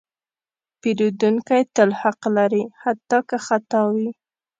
پیرودونکی تل حق لري، حتی که خطا وي.